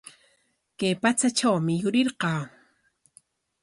Kay patsatrawmi yurirqaa.